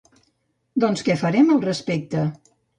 Doncs què farem al respecte?